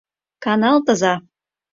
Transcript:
— Каналтыза!